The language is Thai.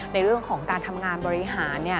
ในเรื่องของการทำงานบริหาร